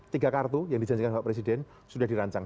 tiga kartu yang dijanjikan pak presiden sudah dirancang